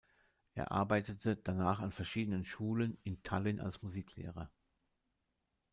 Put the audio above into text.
Er arbeitete danach an verschiedenen Schulen in Tallinn als Musiklehrer.